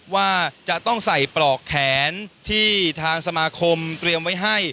ว่าจะต้องใส่ปลอกแขนที่ทางสมาคมเตรียมไว้ให้